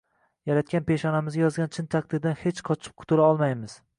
Yaratgan peshanamizga yozgan chin taqdirdan hech qochib qutula olmaymiz